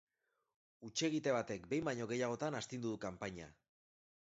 Hutsegite batek behin baino gehiagotan astindu du kanpaina.